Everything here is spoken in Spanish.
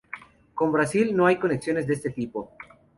Con Brasil no hay conexiones de este tipo.